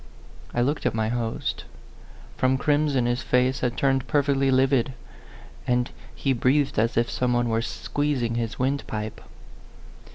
I looked at my host; from crimson his face had turned perfectly livid, and he breathed as if some one were squeezing his windpipe.